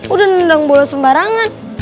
udah nendang bola sembarangan